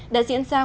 đã diễn ra khóa học